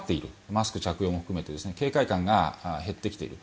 マスク着用も含めて警戒感が減ってきている。